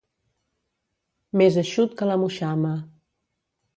Més eixut que la moixama.